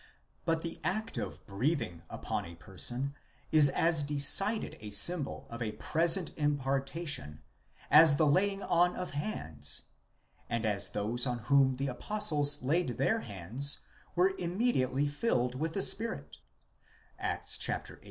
9 But the act of breathing upon a person is as decided a symbol of a present impartation as the laying on of hands, and as those on whom the apostles laid their hands were immediately filled with the Spirit (Acts viii.